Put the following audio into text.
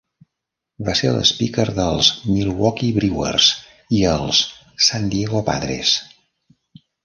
Va ser l'speaker dels Milwaukee Brewers i els San Diego Padres.